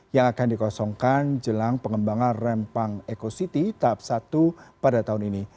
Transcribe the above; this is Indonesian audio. yang akan dikosongkan jelang pengembangan rempang eco city tahap satu pada tahun ini